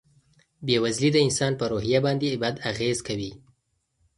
بېوزلي د انسان په روحیه باندې بد اغېز کوي.